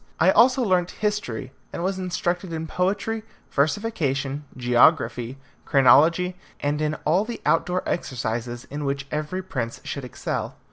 I also learnt history, and was instructed in poetry, versification, geography, chronology, and in all the outdoor exercises in which every prince should excel.